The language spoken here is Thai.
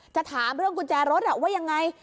จะถามเรื่องกุญแจรถว่ายังไง